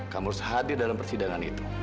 kamu harus hadir dalam persidangan itu